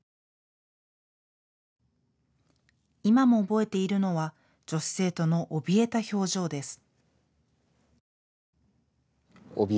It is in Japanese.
今も覚えているのは女子生徒のおびえた表情です。